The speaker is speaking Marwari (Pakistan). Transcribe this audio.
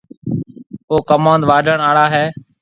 او ڪموُند واڊهڻ آݪا هيَ۔